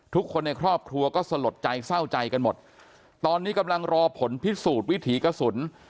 ทุกคนในครอบครัวก็สลดใจเศร้าใจกันหมดตอนนี้กำลังรอผลพิสูจน์วิถีกระสุน